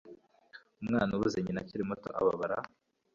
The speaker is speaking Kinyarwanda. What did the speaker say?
umwana ubuze nyina akiri muto ababara